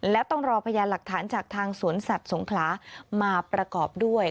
และต้องรอพยานหลักฐานจากทางสวนสัตว์สงขลามาประกอบด้วย